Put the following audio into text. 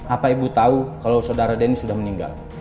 apa ibu tahu kalau saudara denny sudah meninggal